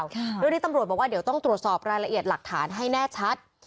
เรื่องนี้ตำรวจบอกว่าเดี๋ยวต้องตรวจสอบรายละเอียดหลักฐานให้แน่ชัด